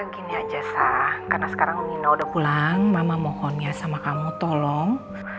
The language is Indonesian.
gini aja sah karena sekarang nino udah pulang mama mohon ya sama kamu tolong